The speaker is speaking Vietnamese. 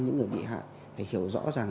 những người bị hạ phải hiểu rõ ràng